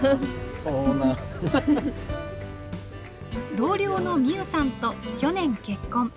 同僚の美羽さんと去年結婚。